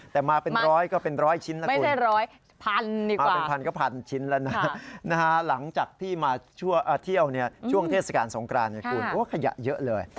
แต่มาเป็นร้อยก็เป็นร้อยชิ้นละคุณนะครับหลังจากที่มาเที่ยวเนี่ยช่วงเทศกาลสงครานเนี่ยคุณโอ๊ยขยะเยอะเลย